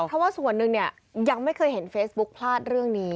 เพราะว่าส่วนหนึ่งเนี่ยยังไม่เคยเห็นเฟซบุ๊กพลาดเรื่องนี้